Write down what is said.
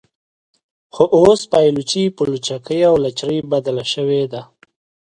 خو اوس پایلوچي په لچکۍ او لچرۍ بدله شوې ده.